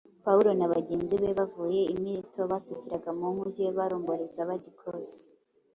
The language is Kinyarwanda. Pawulo na bagenzi be bavuye i Mileto batsukiraga mu “nkuge baromboreza bajya i Kosi,